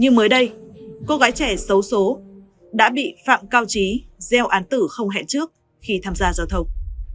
như mới đây cô gái trẻ xấu xố đã bị phạm cao trí gieo án tử không hẹn trước khi tham gia giao thông